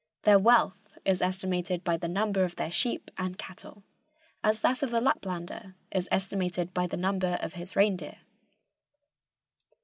Their wealth is estimated by the number of their sheep and cattle, as that of the Laplander is estimated by the number of his reindeer.